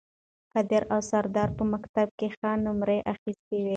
قادر او سردار په مکتب کې ښې نمرې اخیستې وې